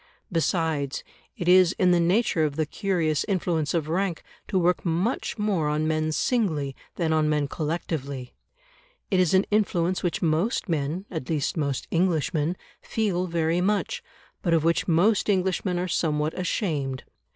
Besides, it is in the nature of the curious influence of rank to work much more on men singly than on men collectively; it is an influence which most men at least most Englishmen feel very much, but of which most Englishmen are somewhat ashamed.